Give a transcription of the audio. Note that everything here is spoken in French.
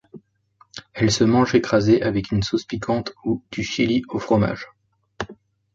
Elles se mangent écrasées avec une sauce piquante ou du chili au fromage.